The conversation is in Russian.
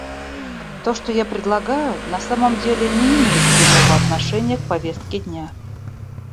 То, что я предлагаю, на самом деле не имеет прямого отношения к повестке дня.